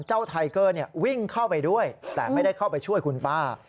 ไทเกอร์วิ่งเข้าไปด้วยแต่ไม่ได้เข้าไปช่วยคุณป้า